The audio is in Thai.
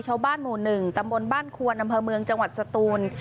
ชาวบ้านหมู่๑ตำบลบ้านควนอำเภอเมืองจังหวัดสตูน